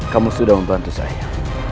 kamu sudah membantu saya